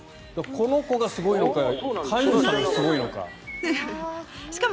この子がすごいのか飼い主さんがすごいのか。